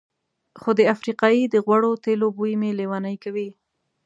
خو د افریقایي د غوړو تېلو بوی مې لېونی کوي.